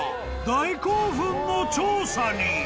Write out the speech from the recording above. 大興奮の調査に］